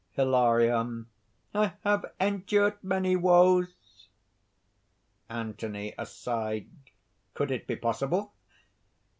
HILARION. "I have endured many woes!" ANTHONY (aside). "Could it be possible?"